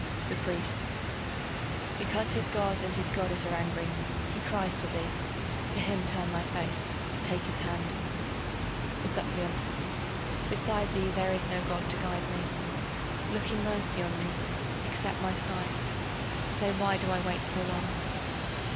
The Priest: Because his god and his goddess are angry, he cries to thee. To him turn thy face, take his hand. The Suppliant: Beside thee there is no god to guide me. Look in mercy on me, accept my sigh, Say why do I wait so long.